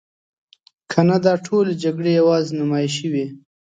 کنه دا ټولې جګړې یوازې نمایشي وي.